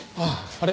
あれ？